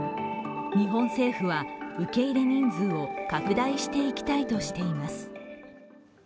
日本政府は受け入れ人数を拡大していきたいとしています。